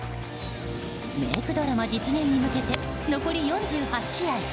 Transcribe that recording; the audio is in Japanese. メークドラマ実現に向けて残り４８試合。